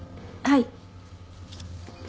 はい。